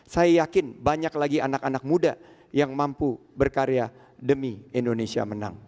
saya yakin banyak lagi anak anak muda yang mampu berkarya demi indonesia menang